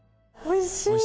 おいしい。